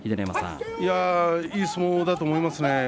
いい相撲だと思いますね。